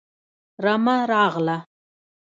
رمه راغله